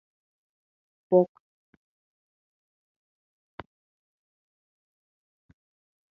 向上心を持つ